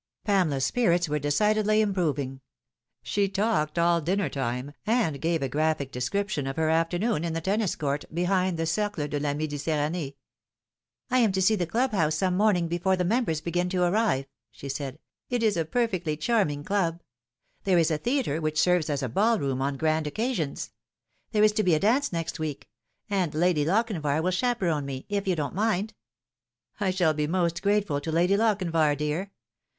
Pamela's spirits were decidedly improving. She talked all dinner time, and gave a graphic description of her afternoon in the tennis court behind the Cercle de la M6diterran6e. " I am to see the club house some morning before the mem bers tegin to arrive," she said. "It is a perfectly charming club. There is a theatre, which serves as a ball room on grand occasions. There is to be a dance next week ; and Lady Lochin var will chaperon me, if you don't mind." " I shall be most grateful to Lady Lochinvar, dear.